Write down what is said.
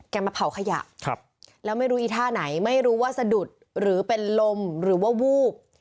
มาเผาขยะแล้วไม่รู้อีท่าไหนไม่รู้ว่าสะดุดหรือเป็นลมหรือว่าวูบ